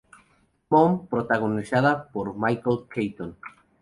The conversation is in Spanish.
Mom, protagonizada por Michael Keaton.